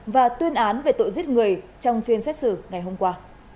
và tuyên án về tội giết người trong phiên xét xử ngày hôm qua